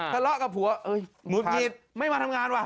ทะเลาะกับผัวหงุดหงิดไม่มาทำงานว่ะ